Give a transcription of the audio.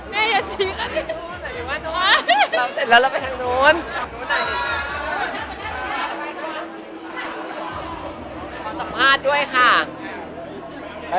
รับเสร็จแล้วเราไปทางนู้น